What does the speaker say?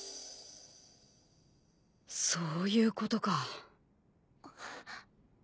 そういうことか。